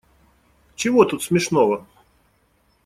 Чего тут смешного?